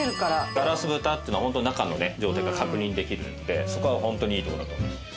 ガラス蓋っていうのは本当に中のね状態が確認できるんでそこが本当にいいところだと思います。